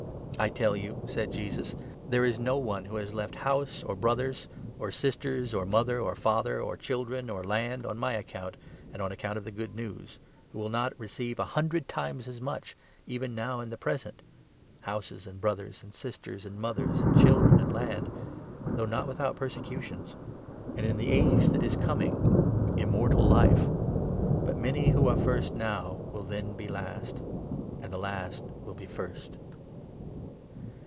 "I tell you," said Jesus, "there is no one who has left 29 house, or brothers, or sisters, or mother, or father, or children, or land, on my account and on account of the Good News, who will not receive a hundred times as much, even now in the 30 present — houses, and brothers, and sisters, and mothers, and children, and land — though not without persecutions, and, in the age that is coming, Immortal Life. But many who are 31 first now will then be last, and the last will be first."